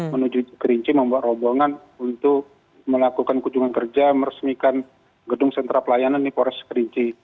menuju kerinci membuat rombongan untuk melakukan kunjungan kerja meresmikan gedung sentra pelayanan di polres kerinci